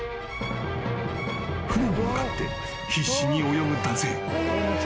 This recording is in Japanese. ［船に向かって必死に泳ぐ男性］